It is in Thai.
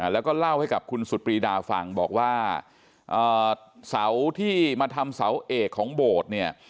แล้วก็เล่าให้กับคุณสุดปรีดาฟังบอกว่าเสาที่มาทำเสาเอกของโบสถ์เนี่ย